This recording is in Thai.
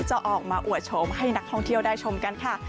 จะออกมาอวดโฉมให้นักท่องเที่ยวได้ชมกันค่ะ